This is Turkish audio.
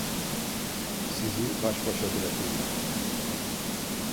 Sizi baş başa bırakayım.